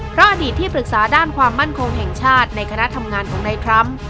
เพราะอดีตที่ปรึกษาด้านความมั่นคงแห่งชาติในคณะทำงานของนายทรัมป์